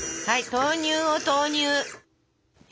豆乳を投入？